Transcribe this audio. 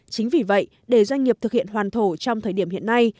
chính vì vậy để doanh nghiệp thực hiện hoàn thổ trong thời điểm hiện nay